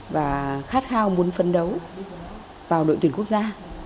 và khát khao muốn phấn đấu vào đội tuyển quốc gia